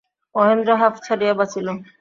মহেন্দ্র হাঁফ ছাড়িয়া বাঁচিল।